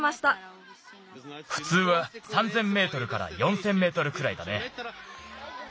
ふつうは３，０００メートルから４，０００メートルくらいだね。